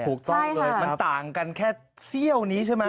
ถูกต้องเลยมันต่างกันแค่เสี้ยวนี้ใช่ไหม